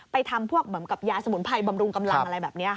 ทำพวกเหมือนกับยาสมุนไพรบำรุงกำลังอะไรแบบนี้ค่ะ